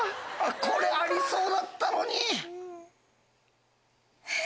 これありそうだったのに！